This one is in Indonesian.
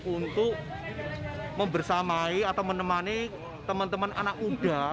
untuk membersamai atau menemani teman teman anak muda